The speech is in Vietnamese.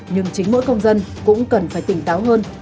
nhưng chính mỗi công dân cũng cần phải tỉnh táo hơn